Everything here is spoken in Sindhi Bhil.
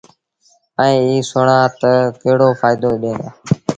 ائيٚݩ ايٚ با سُڻآ تا ڪهڙو ڦآئيدو ڏيݩ دآ۔